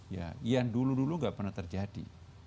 ya iya dengan dulu dulu tidak pernah terjadi